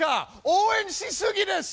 応援しすぎです！